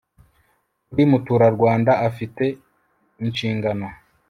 buri muturarwanda afite inshingano